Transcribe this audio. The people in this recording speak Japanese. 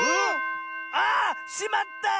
ああっしまった！